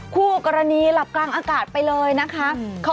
คู่กรณีหลับกลางอากาศไปเลยนะคะ